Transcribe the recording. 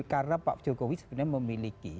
karena pak jokowi sebenarnya memiliki